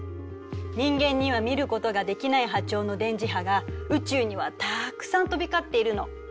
人間には見ることができない波長の電磁波が宇宙にはたくさん飛び交っているの。